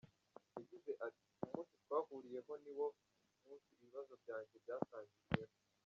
Yagize ati “Umunsi twahuriyeho niwo munsi ibibazo byanjye byatangiriyeho.